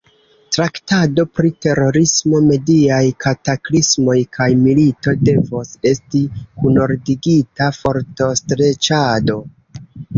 Traktado pri terorismo, mediaj kataklismoj kaj milito devos esti kunordigita fortostreĉado.